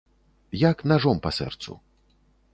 Як нажом па сэрцу.